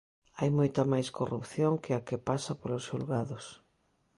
Hai moita máis corrupción que a que pasa polos xulgados.